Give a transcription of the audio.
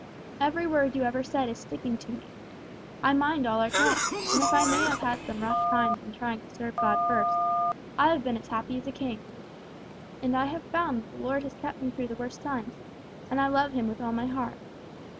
Every word you ever said is sticking to me. I mind all our talks, and if I may have had some rough times in trying to serve God first, I have been as happy as a king. And I have found that the Lord has kept me through the worst times, and I love Him with all my heart.